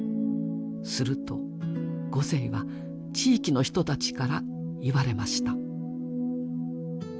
するとゴゼイは地域の人たちから言われました。